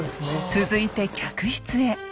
続いて客室へ。